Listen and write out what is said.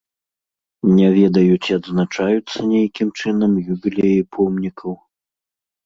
Не ведаю, ці адзначаюцца нейкім чынам юбілеі помнікаў.